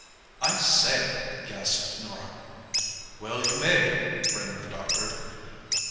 "I say!" gasped Norah. "Well, you may," grinned the doctor.